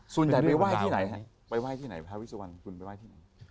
ส่วนใหญ่ไปไหว้ที่ไหนฮะไปไห้ที่ไหนพระวิสุวรรณคุณไปไห้ที่ไหน